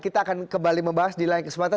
kita akan kembali membahas di lain kesempatan